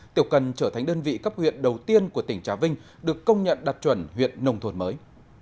tiểu cần trở thành đơn vị cấp huyện đầu tiên của tỉnh trà vinh được công nhận đạt chuẩn huyện nông thôn mới